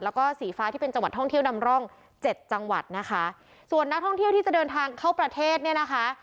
แล้วก็สีฟ้าที่เป็นจังหวัดท่องเที่ยวนำร่องเจ็ดจังหวัดนะคะส่วนนักท่องเที่ยวที่จะเดินทางเข้าประเทศเนี่ยนะคะ